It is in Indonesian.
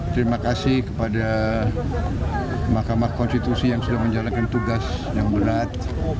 terima kasih kepada mahkamah konstitusi yang sudah menjalankan tugas yang berat